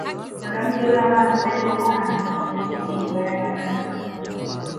Mwanamke huyo ambaye ametajwa kuwa mwanamke tajiri zaidi barani Afrika